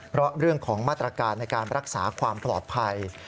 เพราะเรื่องของมาตรการในการรักษาความปลอดภัย